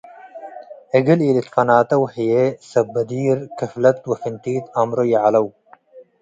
እግል ኢልትፋናተው ሀዬ ሰብ-በዲር ክፍለት ወፍንቲት አምሮ ይዐለው።